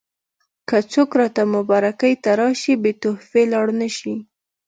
که څوک راته مبارکۍ ته راشي بې تحفې لاړ نه شي.